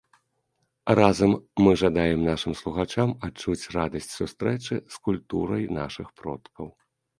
Разам мы жадаем нашым слухачам адчуць радасць сустрэчы з культурай нашых продкаў.